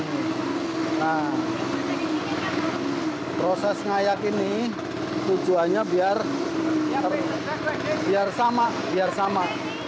nah proses ngayak ini tujuannya biar sama